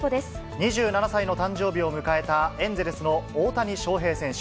２７歳の誕生日を迎えたエンゼルスの大谷翔平選手。